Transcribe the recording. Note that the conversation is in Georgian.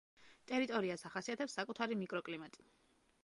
ტერიტორიას ახასიათებს საკუთარი მიკროკლიმატი.